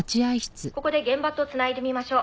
「ここで現場と繋いでみましょう。